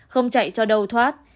không chạy cho đâu thoát